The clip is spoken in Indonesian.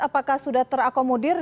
apakah sudah terakomotif